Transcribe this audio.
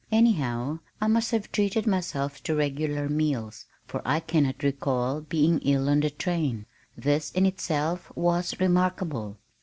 Anyhow, I must have treated myself to regular meals, for I cannot recall being ill on the train. This, in itself, was remarkable.